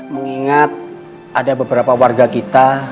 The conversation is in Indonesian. mengingat ada beberapa warga kita